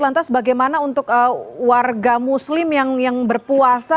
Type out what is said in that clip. lantas bagaimana untuk warga muslim yang berpuasa